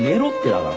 だから。